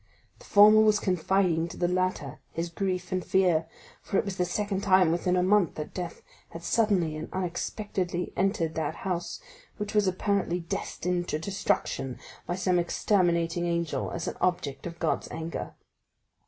The former was confiding to the latter his grief and fear, for it was the second time within a month that death had suddenly and unexpectedly entered that house which was apparently destined to destruction by some exterminating angel, as an object of God's anger."